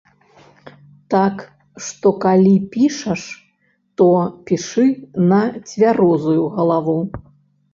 Так што калі пішаш, то пішы на цвярозую галаву.